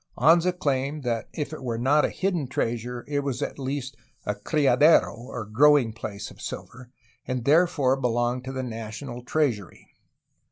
Anza claimed that if it were not a hidden treasure, it was at least a ^^criadero/' or growing place, of silver, and therefore be longed to the national treasury.